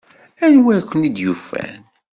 Anwa i ken-id-yufan?